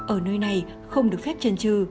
ở nơi này không được phép trần trừ